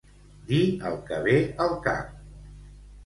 Dir el que ve al cap.